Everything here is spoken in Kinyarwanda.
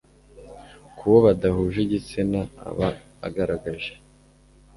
ku wo badahuje igitsina, aba agaragaje